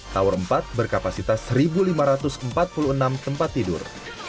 tower empat berkapasitas satu lima ratus empat puluh enam tempat tidur